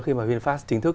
khi mà vinfast chính thức